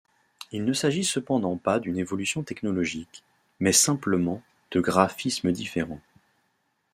Il ne s'agit cependant pas d'une évolution technologique, mais simplement de graphismes différents.